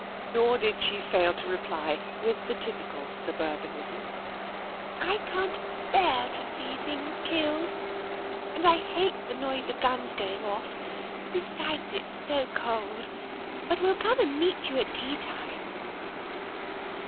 Nor did she fail to reply with the typical suburbanism :" I can't bear seeing things killed, and I hate the noise of guns going oflF. Besides, it's so cold. But we'll come and meet you at tea time."